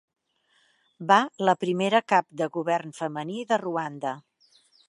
Va la primera cap de govern femení de Ruanda.